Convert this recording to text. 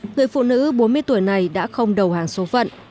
người phụ nữ bốn mươi tuổi này đã không đầu hàng số phận